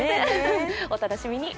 お楽しみに。